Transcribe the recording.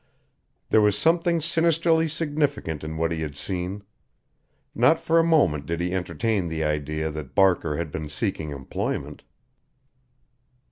There was something sinisterly significant in what he had seen. Not for a moment did he entertain the idea that Barker had been seeking employment.